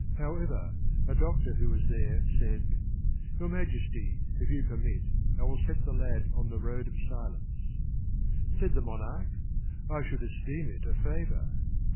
However, a doctor who was there said: "Your majesty, if you permit, I will set the lad on the road of silence ;" said the monarch, " I should esteem it a favour."